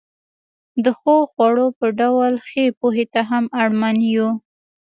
د ښو خوړو په ډول ښې پوهې ته هم اړمن یو.